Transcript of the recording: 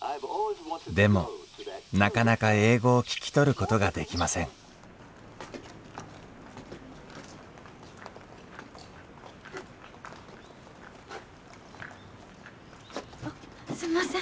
でもなかなか英語を聞き取ることができませんあっすんません。